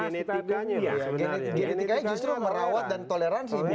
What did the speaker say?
identiknya justru merawat dan toleransi